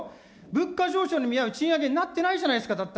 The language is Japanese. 物価上昇に見合う賃上げになっていないじゃないですか。